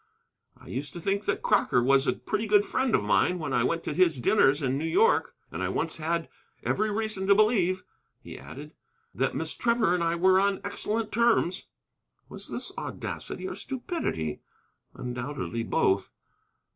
I used to think that Crocker was a pretty good friend of mine when I went to his dinners in New York. And I once had every reason to believe," he added, "that Miss Trevor and I were on excellent terms." Was this audacity or stupidity? Undoubtedly both.